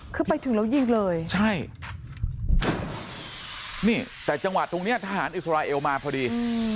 คือไปถึงแล้วยิงเลยใช่นี่แต่จังหวะตรงเนี้ยทหารอิสราเอลมาพอดี